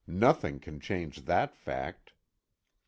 Nothing can change that fact.